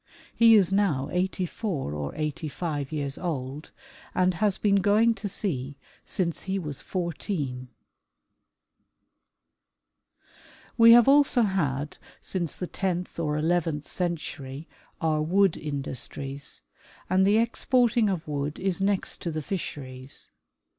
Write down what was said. He is now eighty four or eighty five years old, and has been going to sea since he was fourteen. (132) Origin of the Word " Viking." 133 We have also had, since the tenth or eleventh century, our wood industries, and the exporting of wood is next to the fish eries.